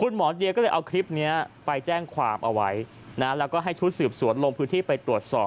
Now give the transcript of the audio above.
คุณหมอเดียก็เลยเอาคลิปนี้ไปแจ้งความเอาไว้นะแล้วก็ให้ชุดสืบสวนลงพื้นที่ไปตรวจสอบ